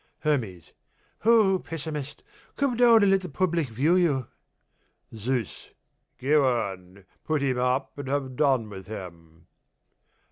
HERMES: Ho, pessimist, come down and let the public view you. ZEUS: Go on, put him up and have done with him.